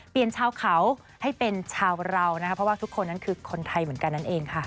ชาวเขาให้เป็นชาวเรานะคะเพราะว่าทุกคนนั้นคือคนไทยเหมือนกันนั่นเองค่ะ